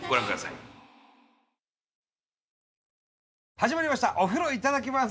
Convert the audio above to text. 始まりました「お風呂いただきます」。